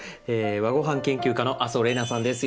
和ごはん研究家の麻生怜菜さんです。